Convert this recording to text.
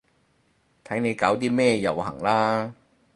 睇你搞啲咩遊行啦